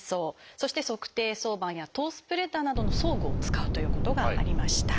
そして足底挿板やトースプレッダーなどの装具を使うということがありました。